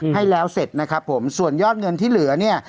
ให้แล้วเสร็จนะครับผมส่วนยอดเงินที่เหลือเนี่ย